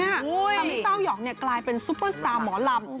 ตามที่เต้ายองกลายเป็นซูเปอร์สตาร์หมอลำ